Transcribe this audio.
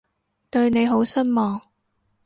對你好失望